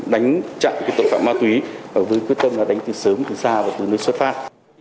đánh chặn tội phạm ma túy với quyết tâm là đánh từ sớm từ xa và từ nơi xuất phát